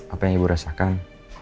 apa yang ibu rasakan